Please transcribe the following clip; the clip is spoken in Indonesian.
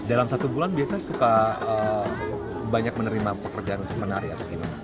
dalam satu bulan biasanya suka banyak menerima pekerjaan menari atau gimana